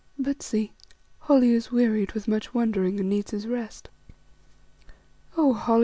"But see, Holly is wearied with much wondering and needs his rest. Oh, Holly!